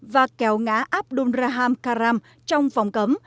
và kéo ngã abdul raham karam trong vòng cấm